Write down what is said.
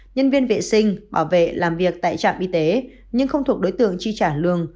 nhân viên vệ sinh bảo vệ làm việc tại trạm y tế nhưng không thuộc đối tượng chi trả lương